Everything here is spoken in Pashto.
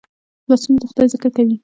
لاسونه د خدای ذکر کوي